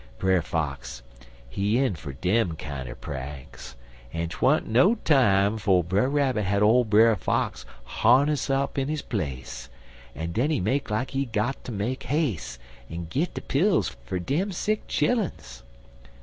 Brer Fox, he in fer dem kinder pranks, en 'twa'n't no time 'fo' Brer Rabbit had ole Brer Fox harness up dar in his place, en den he make like he got ter make 'as'e en git de pills fer dem sick chilluns.